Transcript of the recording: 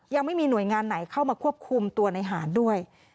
ยังไม่มีหน่วยงานไหนเข้ามาควบคุมตัวในหารด้วย